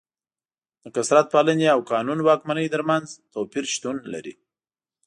د کثرت پالنې او قانون واکمنۍ ترمنځ توپیر شتون لري.